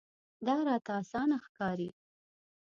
دا راته اسانه ښکاري.